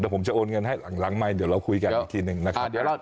ผมจะโอนเงินให้หลังไมค์เดี๋ยวเราคุยกันอีกทีหนึ่งนะครับ